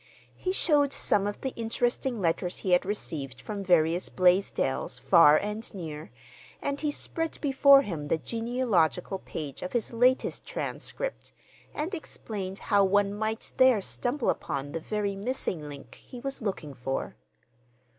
He showed some of the interesting letters he had received from various Blaisdells far and near, and he spread before him the genealogical page of his latest "Transcript," and explained how one might there stumble upon the very missing link he was looking for.